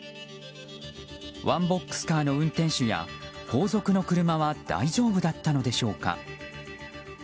ワンボックスカーの運転手や後続の車は大丈夫だったのでしょうか。